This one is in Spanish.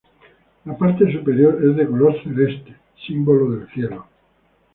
La parte superior es de color celeste, símbolo del cielo.